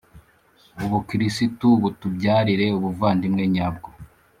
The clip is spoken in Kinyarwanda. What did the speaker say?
ubukristu butubyarire ubuvandimwe nyabwo,